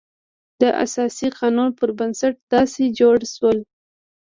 د اساسي قانون پر بنسټ داسې جوړ شول.